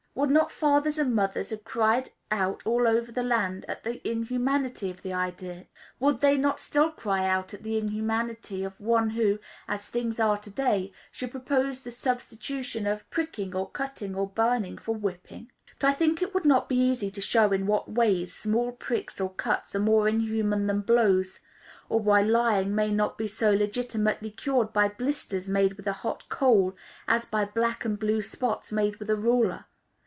Would not fathers and mothers have cried out all over the land at the inhumanity of the idea? Would they not still cry out at the inhumanity of one who, as things are to day, should propose the substitution of pricking or cutting or burning for whipping? But I think it would not be easy to show in what wise small pricks or cuts are more inhuman than blows; or why lying may not be as legitimately cured by blisters made with a hot coal as by black and blue spots made with a ruler.